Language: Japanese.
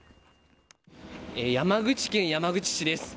山口県山口市です。